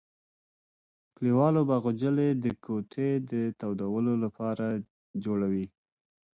کلیوالو به غوجلې د کوټې د تودولو لپاره جوړولې.